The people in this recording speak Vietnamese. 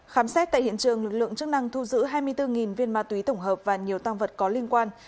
khám xét tại hiện trường lực lượng chức năng thu giữ hai mươi bốn viên ma túy tổng hợp và nhiều tăng vật có liên quan